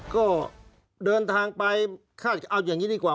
ก็เดินทางไปคาดเอาอย่างนี้ดีกว่า